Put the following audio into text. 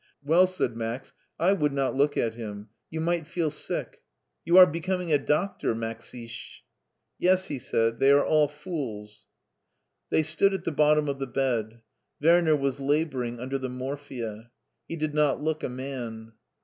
Well," said Max, " I would not look at him ; j'ou might feel sick.'' You are becoming a doctor, Maxishe." Yes," he said ;" they are all fools." They stood at the bottom of the bed. Werner was laboring under the morphia. He did not look a man.